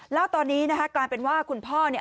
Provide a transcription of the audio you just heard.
เรียกจากในตอนนี้เนี่ย